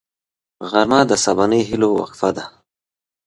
غرمه د سبانۍ هيلو وقفه ده